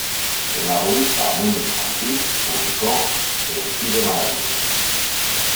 En la revista Mundo Infantil publicó "El Pibe Maravillas".